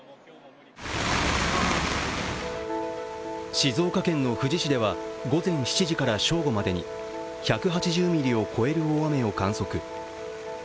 静岡県の富士市では午前７時から正午までに１８０ミリを超える大雨を観測。